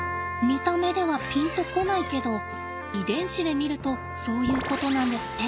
見た目ではピンと来ないけど遺伝子で見るとそういうことなんですって。